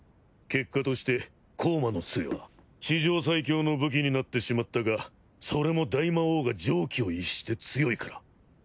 結果として光魔の杖は地上最強の武器になってしまったがそれも大魔王が常軌を逸して強いから。